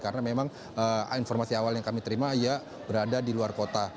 karena memang informasi awal yang kami terima ya berada di luar kota